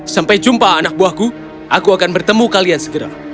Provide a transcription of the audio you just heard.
sampai jumpa anak buahku aku akan bertemu kalian segera